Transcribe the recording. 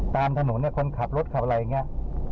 ตามถนนคนขับรถขับอะไรอย่างนี้